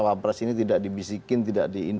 kita buat karna kita hotline ada ke l